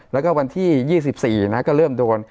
และวันที่๒๔บอกว่าเริ่มโดน